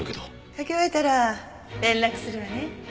書き終えたら連絡するわね。